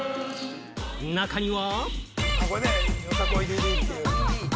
中には。